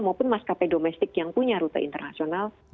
maupun mas kapai domestik yang punya rute internasional